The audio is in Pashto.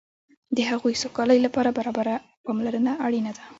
د هغوی سوکالۍ لپاره برابره پاملرنه اړینه ده.